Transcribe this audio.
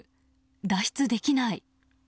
脱出できない。